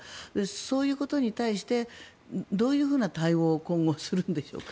そういうことに対してどういう対応を今後するんでしょうか。